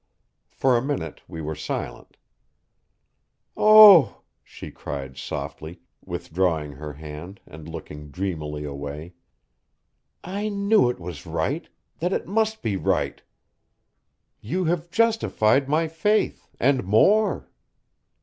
For a minute we were silent. "Oh," she cried softly, withdrawing her hand, and looking dreamily away, "I knew it was right that it must be right. You have justified my faith, and more!"